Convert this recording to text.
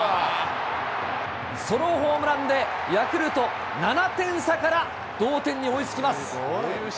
ソロホームランでヤクルト、７点差から同点に追いつきます。